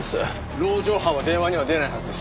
籠城犯は電話には出ないはずです。